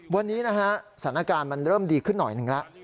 วันนี้นะฮะสถานการณ์มันเริ่มดีขึ้นหน่อยหนึ่งแล้ว